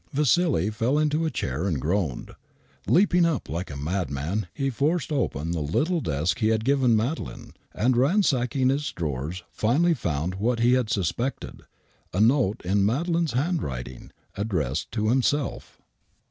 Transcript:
Vassili fell into a chair ard groaned. Leaping up like a madman, he forced upen the little desk he had given Madeleine, and ransacking its drawers, finally found what he had suspected, a note in Madeleine's handwriting, ad dressed to himself.